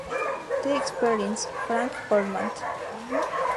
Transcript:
T Experience, Frank Portman.